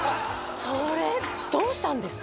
それどうしたんですか？